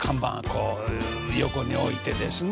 こう横に置いてですね